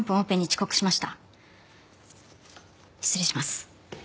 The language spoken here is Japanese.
失礼します。